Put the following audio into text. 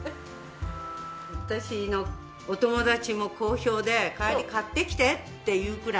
私のお友達も好評で帰り買ってきてって言うくらい。